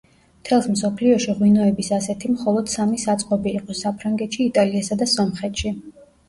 მთელს მსოფლიოში ღვინოების ასეთი მხოლოდ სამი საწყობი იყო: საფრანგეთში, იტალიასა და სომხეთში.